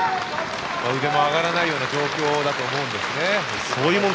腕も上がらない状況だと思うんです。